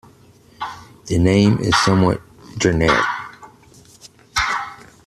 The name is somewhat generic.